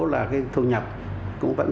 là cái thu nhập cũng vẫn